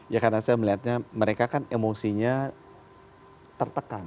ya karena saya melihatnya mereka kan emosinya tertekan